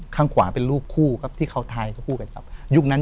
ข้างขวาเป็นรูปคู่ที่เค้าถ่ายเหมือนกัน